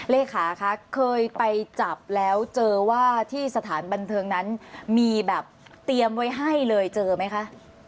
เลขาคะเคยไปจับแล้วเจอว่าที่สถานบันเทิงนั้นมีแบบเตรียมไว้ให้เลยเจอไหมคะ